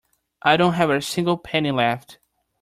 I don't have a single penny left.